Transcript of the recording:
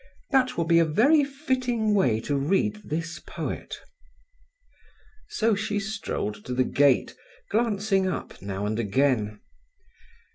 That will be a very fitting way to read this poet." So she strolled to the gate, glancing up now and again.